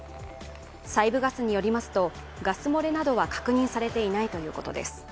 西部ガスによりますと、ガス漏れなどは確認されていないということです。